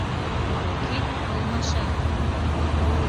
Кит, алмаша!